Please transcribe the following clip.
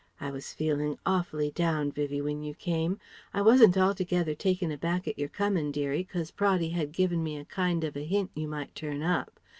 I was feeling awfully down, Vivie, when you came. I wasn't altogether taken aback at your coming, dearie, 'cos Praddy had given me a kind of a hint you might turn up.